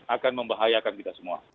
akan membahayakan kita semua